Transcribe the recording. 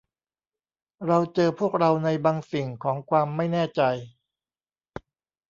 เราเจอพวกเราในบางสิ่งของความไม่แน่ใจ